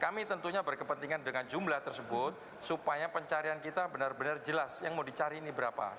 kami tentunya berkepentingan dengan jumlah tersebut supaya pencarian kita benar benar jelas yang mau dicari ini berapa